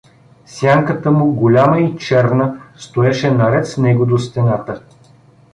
Сянката му, голяма и черна, стоеше наред с него до стената.